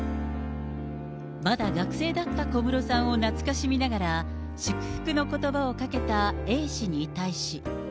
まだ学生だった小室さんを懐かしみながら、祝福のことばをかけたＡ氏に対し。